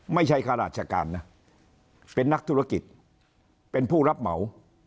ข้าราชการนะเป็นนักธุรกิจเป็นผู้รับเหมา